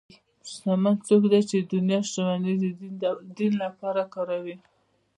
شتمن څوک دی چې د دنیا شتمني د دین لپاره کاروي.